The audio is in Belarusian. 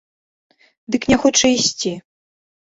Дык не хоча ісці.